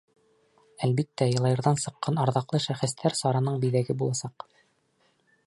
Әлбиттә, Йылайырҙан сыҡҡан арҙаҡлы шәхестәр сараның биҙәге буласаҡ.